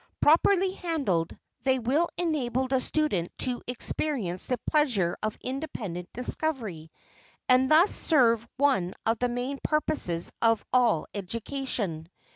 Properly handled, they will enable the student to experience the pleasure of independent discovery, and thus serve one of the main purposes of all education.